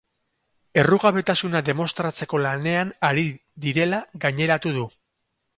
Errugabetasuna demostratzeko lanean ari direla gaineratu du.